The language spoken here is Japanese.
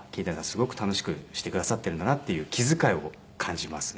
すごく楽しくしてくださっているんだなっていう気遣いを感じますね。